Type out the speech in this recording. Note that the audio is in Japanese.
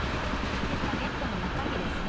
バゲットの中身ですね。